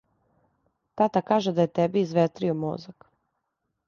Тата каже да је теби изветрио мозак.